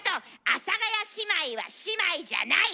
阿佐ヶ谷姉妹は姉妹じゃない。